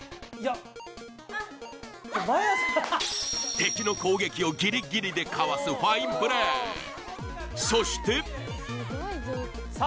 敵の攻撃をギリギリでかわすファインプレーそしてあ！